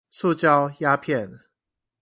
塑膠鴉片